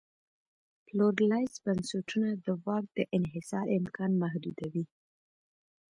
پلورالایز بنسټونه د واک دانحصار امکان محدودوي.